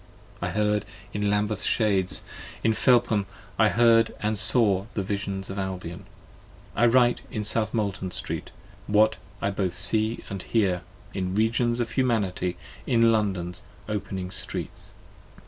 I heard in Lambeth's shades: In Felpham I heard and saw the Visions of Albion: I write in South Molton Street, what I both see and hear, In regions of Humanity, in London's opening streets.